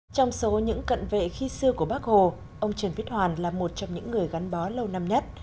trong số những cận vệ khi xưa của bác hồ ông trần viết hoàn là một trong những người gắn bó lâu năm nhất